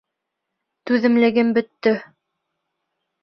Түҙемлегем бөттө!